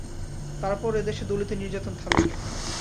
তারপরও এ দেশে দলিত নির্যাতন থামেনি।